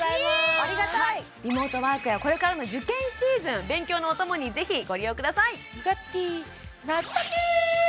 ありがたいリモートワークやこれからの受験シーズン勉強のお供にぜひご利用ください